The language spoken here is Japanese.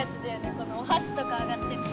このおはしとかあがってるの。